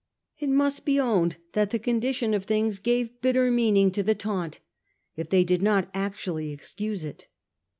It must be owned that the condition of things gave bitter meaning to the taunt, if they did not actually excuse it.